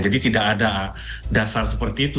jadi tidak ada dasar seperti itu